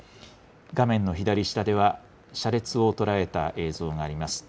画面の左下では車列を捉えた映像があります。